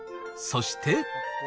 そして。